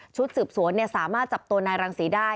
ชุดสืบสวนเนี่ยสามารถจับตัวนายรังศรีได้